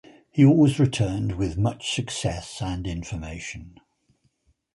He always returned with much success and information.